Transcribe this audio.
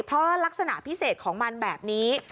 เพราะลักษณะพิเศษของมันแบบนี้